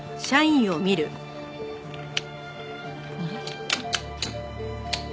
あれ？